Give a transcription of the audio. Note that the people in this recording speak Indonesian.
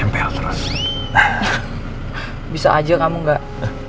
bisa aja kamu enggak